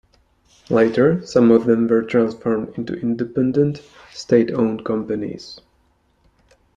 Later, some of them were transformed into independent state-owned companies.